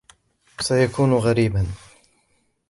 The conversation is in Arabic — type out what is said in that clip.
سيكون غريبًا.